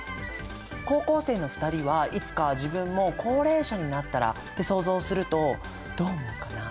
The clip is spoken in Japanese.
高校生の２人は「いつか自分も高齢者になったら」って想像するとどう思うかな？